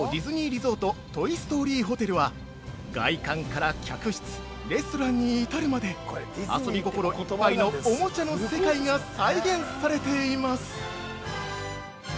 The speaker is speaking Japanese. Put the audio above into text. リゾート・トイ・ストーリーホテルは外観から客室レストランに至るまで遊び心いっぱいのおもちゃの世界が再現されています。